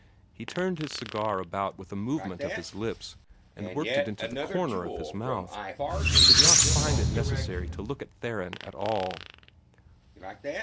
He turned his cigar about with a movement of his lips, and worked it into the corner of his mouth. He did not find it necessary to look at Theron at all.